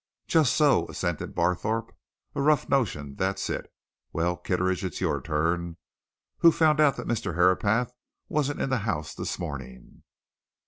"Just so," assented Barthorpe. "A rough notion that's it. Well, Kitteridge, it's your turn. Who found out that Mr. Herapath wasn't in the house this morning?"